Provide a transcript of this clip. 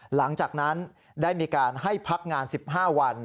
หลังจากนั้นได้มีการให้พักงาน๑๕วัน